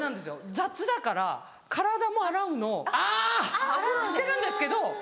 雑だから体も洗うの洗ってるんですけど。